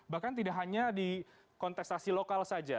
bahkan tidak hanya di kontestasi lokal saja